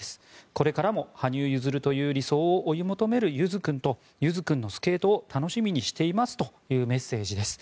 これからも羽生結弦という理想を追い求めるゆづ君とゆづ君のスケートを楽しみにしていますというメッセージです。